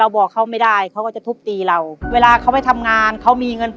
แล้วเลือดเลือดออกเยอะไหมแขนหักไปขาหักไปพี่